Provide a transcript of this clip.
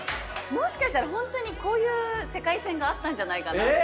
もしかしたらホントにこういう世界線があったんじゃないかなって。